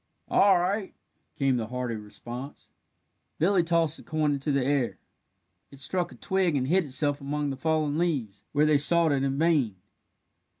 "All right," came the hearty response. Billy tossed the coin into the air: it struck a twig and hid itself among the fallen leaves, where they sought it in vain.